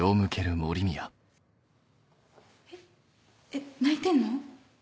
えっ泣いてんの？